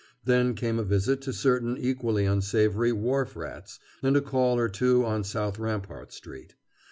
Then came a visit to certain equally unsavory wharf rats and a call or two on South Rampart Street.